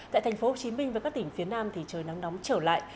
tại tp hcm và các tỉnh phía nam thì trời nắng nóng trở lại